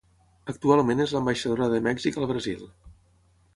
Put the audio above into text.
Actualment és l'ambaixadora de Mèxic al Brasil.